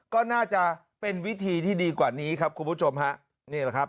ก็น่าจะเป็นวิธีที่ดีกว่านี้ครับคุณผู้ชมฮะนี่แหละครับ